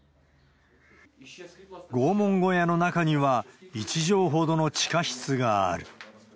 拷問小屋の中には１畳ほどの地下室がある。